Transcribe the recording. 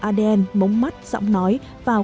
adn mống mắt giọng nói vào